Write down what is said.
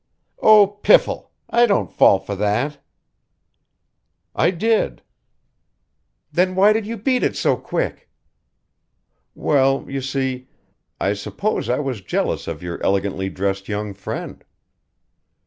"Oh! piffle! I don't fall for that." "I did." "Then why did you beat it so quick?" "Well, you see I suppose I was jealous of your elegantly dressed young friend."